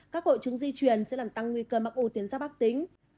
các hội chứng di truyền sẽ làm tăng nguy cơ mắc u tuyến giáp ác tính